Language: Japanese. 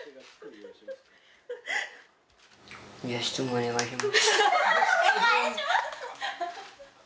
「お願いします」。